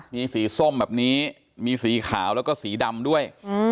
มีสีส้มแบบนี้มีสีขาวแล้วก็สีดำด้วย